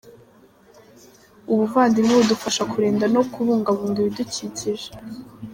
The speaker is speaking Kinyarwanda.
Ubuvandimwe budufasha kurinda no kubungabunga ibidukikije .